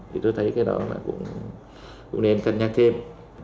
thì tôi thấy cái đó là cũng nên cân nhắc thêm